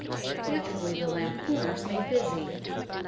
Naturally the lampooners made busy.